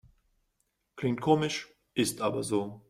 Klingt komisch, ist aber so.